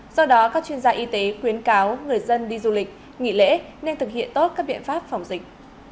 do đó các chuyên gia y tế khuyến cáo người dân đi du lịch nghỉ lễ nên thực hiện tốt các biện pháp phòng dịch